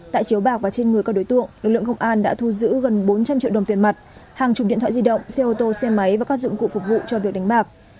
tại chiếu bạc và trên người các đối tượng lực lượng công an đã thu giữ gần bốn trăm linh triệu đồng tiền mặt hàng chục điện thoại di động xe ô tô xe máy và các dụng cụ phục vụ cho việc đánh bạc